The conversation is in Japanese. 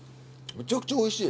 むちゃくちゃおいしい。